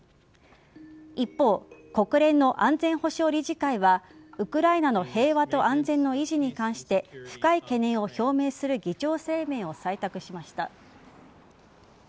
一方、国連の安全保障理事会はウクライナの平和と安全の維持に関して深い懸念を表明する議長声明を採択しました。